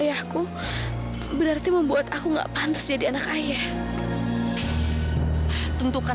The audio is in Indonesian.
anak anaknya aja masih banyak lagak lo tahu